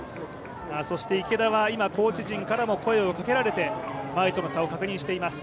そして、池田はコーチ陣からも声をかけられ前との差を確認しています。